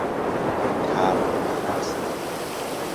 طبع پرست